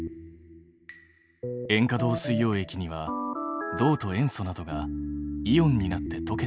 塩化銅水溶液には銅と塩素などがイオンになって溶けている。